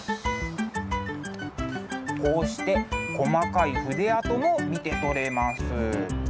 こうして細かい筆跡も見て取れます。